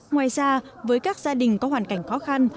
ngoài ra với các gia đình có hoàn cảnh khó khăn